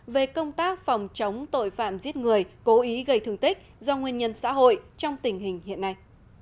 về công tác phòng chống tội phạm giết người cố ý gây thương tích do nguyên nhân xã hội trong tình hình hiện nay